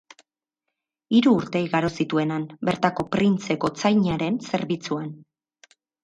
Hiru urte igaro zituen han, bertako printze gotzainaren zerbitzuan.